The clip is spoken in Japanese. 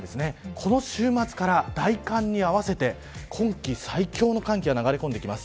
この週末から大寒に合わせて今季最強の寒気が流れ込んできます。